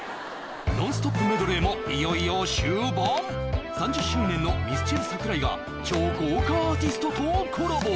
ノンストップメドレーもいよいよ終盤３０周年のミスチル桜井が超豪華アーティストとコラボ